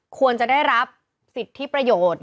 ควรจะได้รับสิทธิประโยชน์